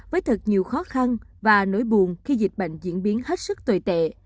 với thật nhiều khó khăn và nỗi buồn khi dịch bệnh diễn biến hết sức tồi tệ